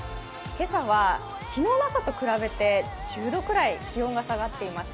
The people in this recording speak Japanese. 今朝は、昨日の朝と比べて、１０度くらい気温が下がっています。